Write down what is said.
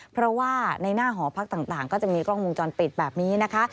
เพราะว่าในหน้าหอพักต่างก็จะมีกล้องวงจรปิดแบบนี้นะคะ